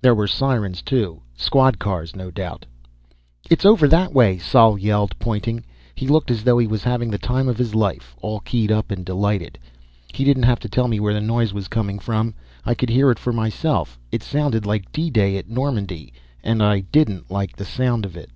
There were sirens, too squad cars, no doubt. "It's over that way!" Sol yelled, pointing. He looked as though he was having the time of his life, all keyed up and delighted. He didn't have to tell me where the noise was coming from, I could hear for myself. It sounded like D Day at Normandy, and I didn't like the sound of it.